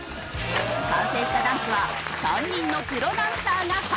完成したダンスは３人のプロダンサーが判定。